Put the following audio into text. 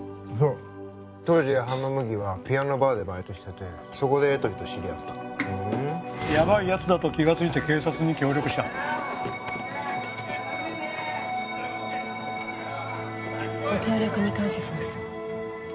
そう当時羽野麦はピアノバーでバイトしててそこでエトリと知り合ったふんヤバイやつだと気がついて警察に協力したご協力に感謝します